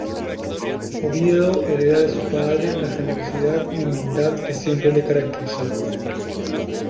Oviedo hereda de su padre la generosidad y humildad que siempre le caracterizó.